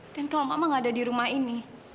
dan kalau mama gak ada di rumah ini